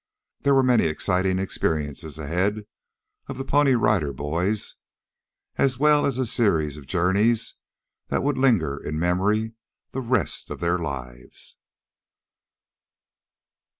There were many exciting experiences ahead of the Pony Rider Boys as well as a series of journeys that would linger in memory the rest of their lives.